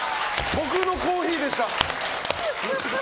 僕のコーヒーでした。